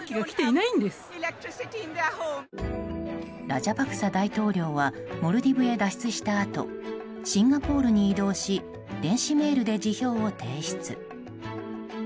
ラジャパクサ大統領はモルディブへ脱出したあとシンガポールに移動し電子メールで辞表を提出。